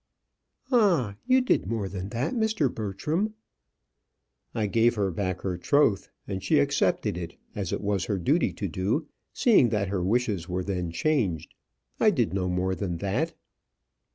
"Ah! you did more than that, Mr. Bertram." "I gave her back her troth; and she accepted it; as it was her duty to do, seeing that her wishes were then changed. I did no more than that."